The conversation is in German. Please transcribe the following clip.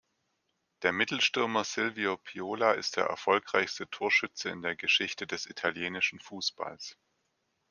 Der Mittelstürmer Silvio Piola ist der erfolgreichste Torschütze in der Geschichte des italienischen Fußballs.